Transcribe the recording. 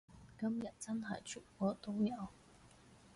今日真係全國都有